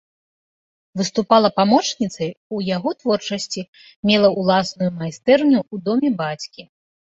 Выступала памочніцай ў яго творчасці, мела ўласную майстэрню ў доме бацькі.